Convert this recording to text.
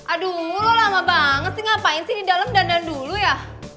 aduh lo lama banget sih ngapain sih di dalam dandan dulu ya